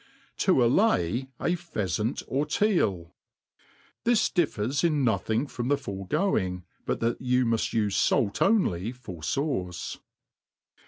To allay a Pheafant or Teal, THIS difFers in nothing from the* foregoing, but that you muft ufe fait only for fauce.